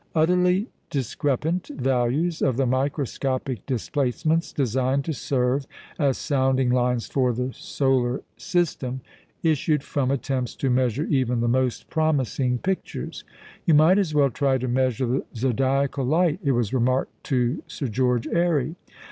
Utterly discrepant values of the microscopic displacements designed to serve as sounding lines for the solar system, issued from attempts to measure even the most promising pictures. "You might as well try to measure the zodiacal light," it was remarked to Sir George Airy.